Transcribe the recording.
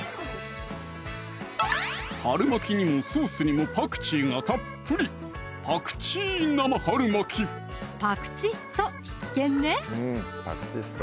春巻きにもソースにもパクチーがたっぷりパクチスト必見ね